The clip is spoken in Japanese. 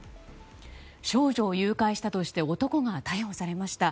少女を誘拐として男が逮捕されました。